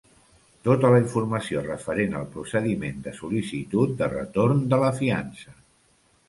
Tota la informació referent al procediment de sol·licitud de retorn de la fiança.